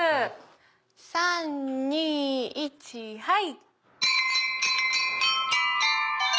３・２・１はい。